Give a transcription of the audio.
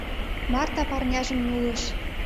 Марта парняжым нулыш.